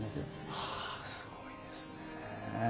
はあすごいですね。